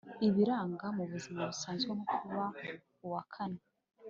ibigaragara mu buzima busanzwe nko kuba uwa kane